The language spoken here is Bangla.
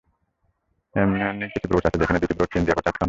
এমন কিছু ব্রোচও আছে, যেখানে দুটি ব্রোচ চেইন দিয়ে একত্রে আটকানো থাকে।